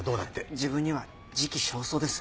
自分には時期尚早です。